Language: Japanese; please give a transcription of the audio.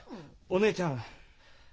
お姉ちゃん！